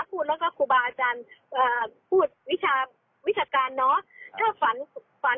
พูดแล้วครูบาอาจารย์พูดวิชาตัวการเนอะ